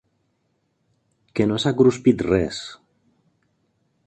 Que no s'ha cruspit res.